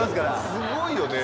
すごいよね。